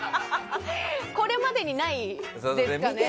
これまでにないですかね。